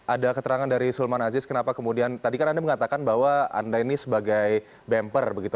ada keterangan dari sulman aziz kenapa kemudian tadi kan anda mengatakan bahwa anda ini sebagai bumper begitu